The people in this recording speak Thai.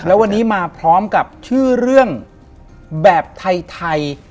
แล้ววันนี้มาพร้อมกับชื่อเรื่องแบบไทย